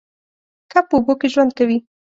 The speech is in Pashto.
کب په اوبو کې ژوند کوي